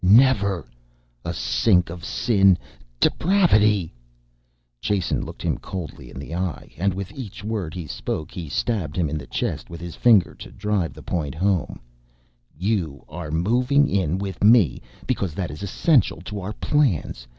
"Never! A sink of sin, depravity " Jason looked him coldly in the eye and with each word he spoke he stabbed him in the chest with his finger to drive home the point. "You are moving in with me because that is essential to our plans.